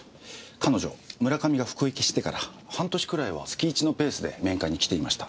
彼女村上が服役してから半年くらいは月一のペースで面会に来ていました。